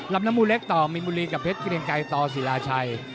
ลำนมูลเล็กต่อมิมูลีกับเพชรเกลียงไก่ต่อสิราชัย